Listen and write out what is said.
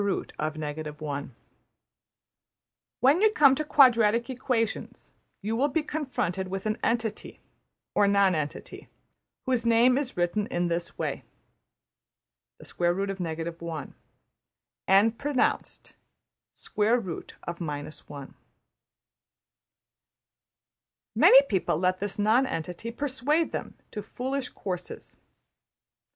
\chapter{$\sqrt{ 1}$} When you come to quadratic equations you will be confronted with an entity (or non entity) whose name is written this way $\sqrt{ 1}$, and pronounced "square root of minus one." Many people let this nonentity persuade them to foolish courses.